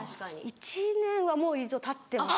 １年はもうたってます。